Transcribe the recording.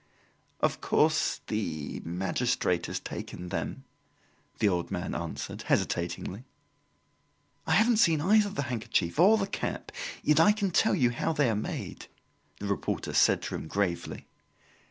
"Of course, the magistrate has taken them," the old man answered, hesitatingly. "I haven't seen either the handkerchief or the cap, yet I can tell you how they are made," the reporter said to him gravely.